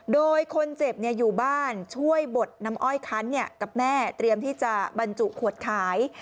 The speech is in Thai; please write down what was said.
โดยคนเจ็บอยู่บ้านช่วยบดน้ำอ้อยคันกับแม่เตรียมที่จะบรรจุขวดขาย